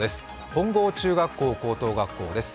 本郷中学校・高等学校です。